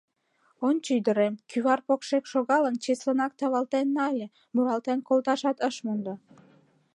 Ончо, ӱдырем! — кӱвар покшек шогалын, чеслынак тавалтен нале, муралтен колташат ыш мондо: